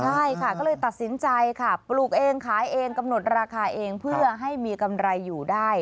ใช่ค่ะก็เลยตัดสินใจค่ะปลูกเองขายเองกำหนดราคาเองเพื่อให้มีกำไรอยู่ได้